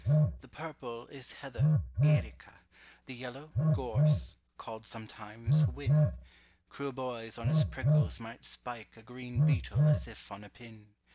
The purple is heather (erica); The yellow, gorse—call'd sometimes "whin." Cruel boys on its prickles might spike a Green beetle as if on a pin.